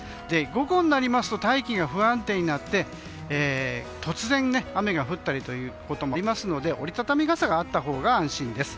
午後になりますと大気が不安定になって突然、雨が降るということもありますので折り畳み傘があったほうが安心です。